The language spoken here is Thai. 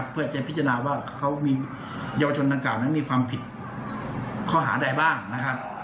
เพื่อจะพิจารณาว่าเยาวชนทางกล่าวนั้นมีความผิดข้อหาใดบ้าง